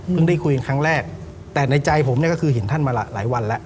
ได้คุยครั้งแรกแต่ในใจผมเนี่ยก็คือเห็นท่านมาหลายวันแล้ว